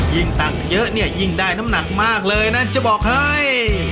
ยิ่งตักเยอะเนี่ยยิ่งได้น้ำหนักมากเลยนะจะบอกเฮ้ย